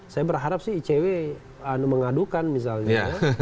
saya berharap sih icw mengadukan misalnya